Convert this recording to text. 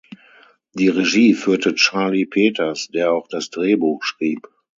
Die Regie führte Charlie Peters, der auch das Drehbuch schrieb.